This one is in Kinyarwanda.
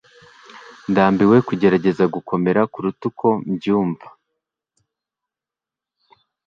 ndambiwe kugerageza gukomera kuruta uko mbyumva